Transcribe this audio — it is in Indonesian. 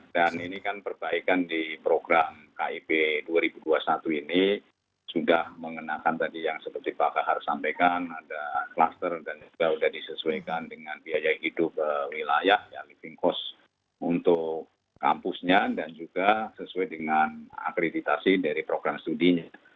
dan ini kan perbaikan di program kip dua ribu dua puluh satu ini sudah mengenakan tadi yang seperti pak kahar sampaikan ada klaster dan juga sudah disesuaikan dengan biaya hidup wilayah living cost untuk kampusnya dan juga sesuai dengan akreditasi dari program studinya